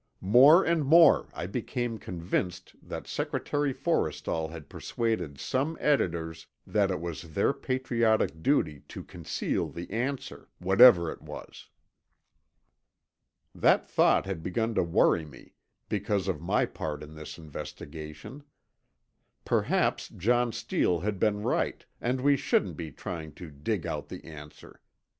More and more, I became convinced that Secretary Forrestal had persuaded some editors that it was their patriotic duty to conceal the answer, whatever it was. That thought had begun to worry me, because of my part in this investigation. Perhaps John Steele had been right, and we shouldn't be trying to dig out the answer.